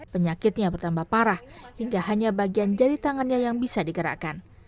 penyakitnya bertambah parah hingga hanya bagian jari tangannya yang bisa digerakkan